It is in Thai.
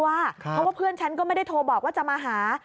เพราะว่าเพื่อนฉันก็ไม่ได้โทรบอกว่าจะมาหา